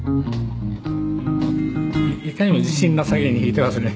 いかにも自信なさげに弾いていますね。